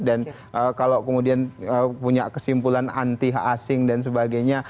dan kalau kemudian punya kesimpulan anti asing dan sebagainya